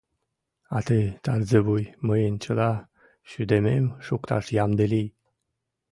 А тый, Тарзывуй, мыйын чыла шӱдымем шукташ ямде лий!